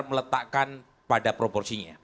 meletakkan pada proporsinya